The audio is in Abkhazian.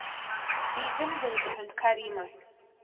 Дизымдырит аҳәынҭқар имаҳә.